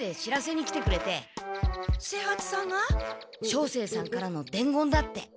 照星さんからの伝言だって。